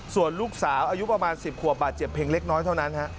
ส่วนลูกสาวอายุประมาณ๑๐ขวบบาดเจ็บเพียงเล็กน้อยเท่านั้น